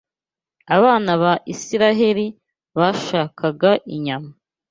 Abana ba Isiraheli bashakaga inyama